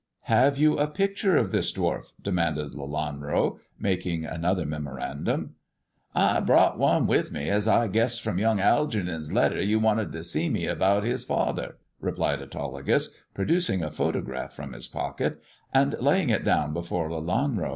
" Have you a picture of this dwarf ]" demanded Lelanro, making another memorandum. " I brought one with me, as I guessed from young Algeernon' s letter you wanted to see me about his father," replied Autolycus, producing a photograph from his pocket, and laying it down before Lelanro.